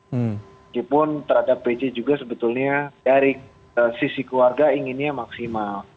walaupun terhadap pc juga sebetulnya dari sisi keluarga inginnya maksimal